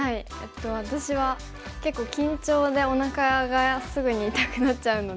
私は結構緊張でおなかがすぐに痛くなっちゃうので。